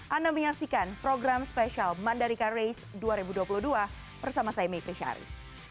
anda menyaksikan program spesial mandalika race dua ribu dua puluh dua bersama saya mikri syari